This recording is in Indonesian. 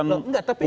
enggak tapi itu